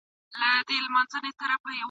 فېشن د هر نوي دور جامه ده ..